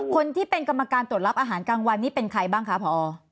คนที่เป็นกรรมการตรวจรับอาหารกลางวันนี้เป็นใครบ้างคะพอ